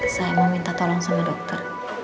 saya mau minta tolong sama dokter